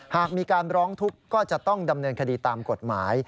หากมีการร้องทุกข์ก็จะต้องดำเนินคดีตามกฎหมาย